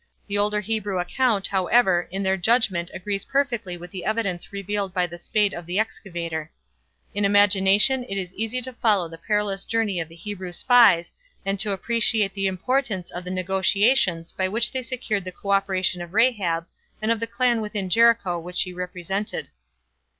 The older Hebrew account, however, in their judgment agrees perfectly with the evidence revealed by the spade of the excavator. In imagination it is easy to follow the perilous journey of the Hebrew spies and to appreciate the importance of the negotiations by which they secured the co operation of Rahab and of the clan within Jericho which she represented.